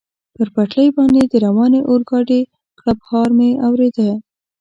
پر پټلۍ باندې د روانې اورګاډي کړپهار مې اورېده.